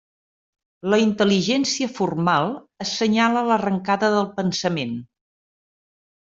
La intel·ligència formal assenyala l'arrencada del pensament.